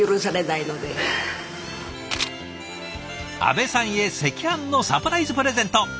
阿部さんへ赤飯のサプライズプレゼント。